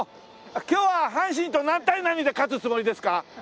今日は阪神と何対何で勝つつもりですか？